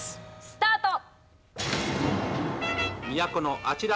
スタート！